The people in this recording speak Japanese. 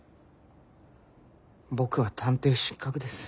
僕は探偵失格です。